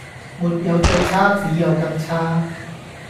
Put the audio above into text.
沒有最差只有更差